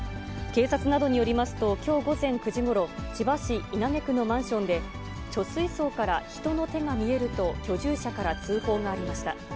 警察などによりますと、きょう午前９時ごろ、千葉市稲毛区のマンションで、貯水槽から人の手が見えると居住者から通報がありました。